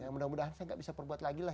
mudah mudahan saya nggak bisa perbuat lagi lah